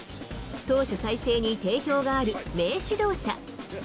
投手再生に定評がある名指導者。